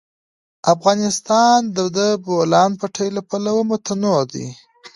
افغانستان د د بولان پټي له پلوه متنوع دی.